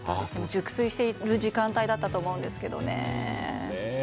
熟睡している時間帯だったと思うんですけどね。